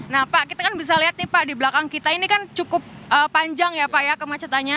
nah pak kita kan bisa lihat nih pak di belakang kita ini kan cukup panjang ya pak ya kemacetannya